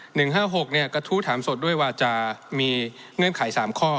ห้าหกเนี่ยกระทู้ถามสดด้วยว่าจะมีเงื่อนไขสามข้อ